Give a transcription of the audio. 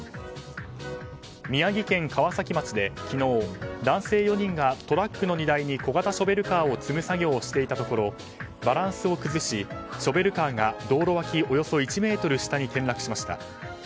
宮城県川崎町で昨日、男性４人がトラックの荷台に小型ショベルカーを積む作業をしていたところバランスを崩しショベルカーが道路脇およそ１ｍ下に転落しました。